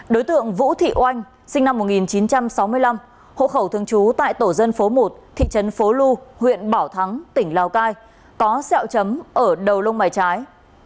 đối tượng vũ thị oanh sinh năm một nghìn chín trăm sáu mươi năm hộ khẩu thường trú tại tổ dân phố một thị trấn phố lu huyện bảo thắng tỉnh lào cai có sẹo chấm ở đầu lông bài trái